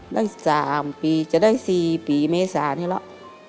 ได้สามปีจะได้สี่ปีเมษานี้แล้ว